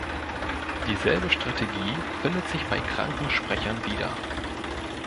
Dieselbe Strategie findet sich bei kranken Sprechern wieder.